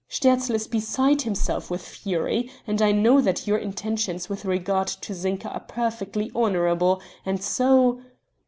"Sterzl is beside himself with fury, and I know that your intentions with regard to Zinka are perfectly honorable, and so...."